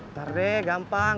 ntar deh gampang